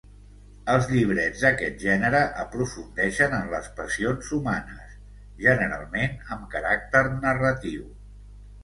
Els llibrets d'aquest gènere aprofundeixen en les passions humanes, generalment amb caràcter narratiu.